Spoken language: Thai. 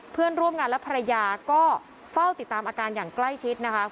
เพื่อนร่วมงานและภรรยาก็เฝ้าติดตามอาการอย่างใกล้ชิดนะคะ